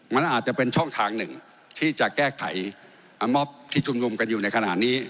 มันอาจจะเป็นช่องทางหนึ่งที่จะแก้ไขอาม็อบที่ชุมนุมกันอยู่ในขณะนี้